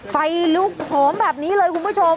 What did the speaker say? ไฟลุกโหมแบบนี้เลยคุณผู้ชม